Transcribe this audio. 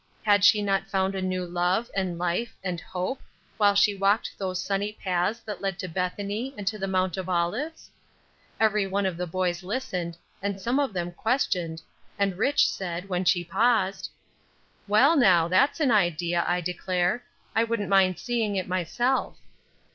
Had she not found a new love, and life, and hope, while she walked those sunny paths that led to Bethany, and to the Mount of Olives? Every one of the boys listened, and some of them questioned, and Rich. said, when she paused: "Well, now, that's an idea, I declare. I wouldn't mind seeing it myself."